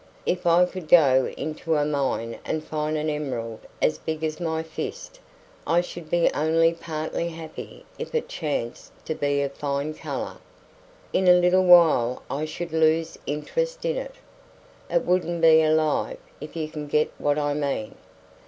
If I could go into a mine and find an emerald as big as my fist I should be only partly happy if it chanced to be of fine colour. In a little while I should lose interest in it. It wouldn't be alive, if you can get what I mean.